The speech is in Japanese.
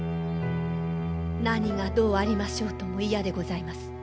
何がどうありましょうとも嫌でございます。